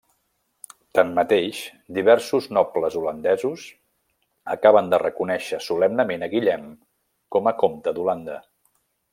Tanmateix, diversos nobles holandesos acaben de reconèixer solemnement a Guillem com a comte d'Holanda.